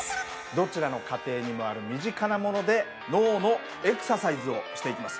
どちらの家庭にもある身近なもので脳のエクササイズをしていきます。